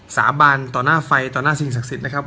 สาบานต่อหน้าไฟต่อหน้าสิ่งศักดิ์สิทธิ์นะครับ